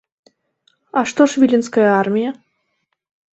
А што ж віленская армія?